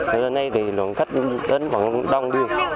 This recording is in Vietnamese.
thế nên nay thì lượng khách đến quảng đông